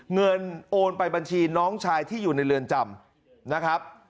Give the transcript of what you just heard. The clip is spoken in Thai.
เงินโอนไปบัญชีน้องชายที่อยู่ในเรือนจำนะครับ